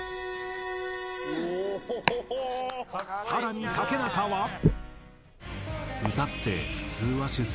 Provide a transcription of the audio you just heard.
更に竹中は。